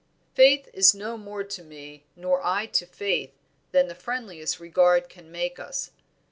"Faith is no more to me, nor I to Faith, than the friendliest regard can make us.